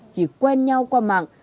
chỉ quen nhau qua mạng